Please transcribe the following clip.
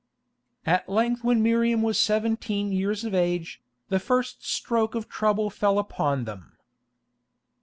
At length when Miriam was seventeen years of age, the first stroke of trouble fell upon them.